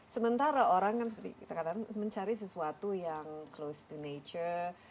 sementara orang kan seperti kita katakan mencari sesuatu yang close to nature